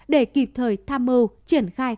để kịp thời tham mưu triển khai